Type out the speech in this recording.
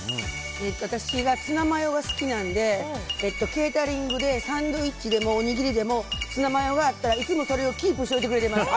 私がツナマヨが好きなのでケータリングでサンドイッチでもおにぎりでもツナマヨがあったらいつもそれをキープしてくれてます。